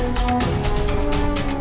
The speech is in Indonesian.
terima kasih hightower